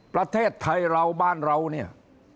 ประเทศไทยเราบ้านเราเนี่ย